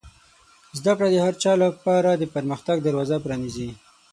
زده کړه د هر چا لپاره د پرمختګ دروازه پرانیزي.